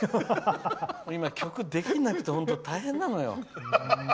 今、曲できなくて本当、大変なのよ。